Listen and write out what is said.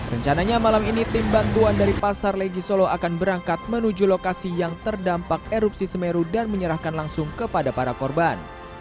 rencananya malam ini tim bantuan dari pasar legi solo akan berangkat menuju lokasi yang terdampak erupsi semeru dan menyerahkan langsung kepada para korban